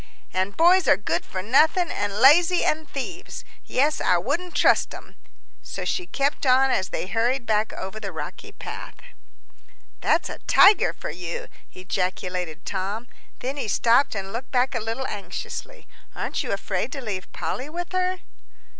"An' boys are good for nothing, an' lazy, an' thieves yes, I wouldn't trust 'em." So she kept on as they hurried back over the rocky path. "That's a tiger for you!" ejaculated Tom. Then he stopped and looked back a little anxiously. "Aren't you afraid to leave Polly with her?"